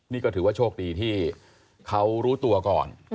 นี่ก็ถือว่าโชคดีที่เขารู้ตัวก่อน